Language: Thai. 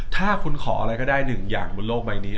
ถ้าคุณขออะไรก็ได้หนึ่งอย่างบนโลกใบนี้